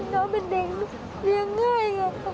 น้องเป็นเด็กเลี้ยงง่ายครับ